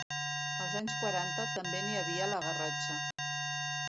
Als anys quaranta, també n'hi havia a la Garrotxa.